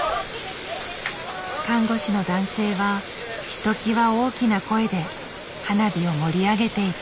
看護師の男性はひときわ大きな声で花火を盛り上げていた。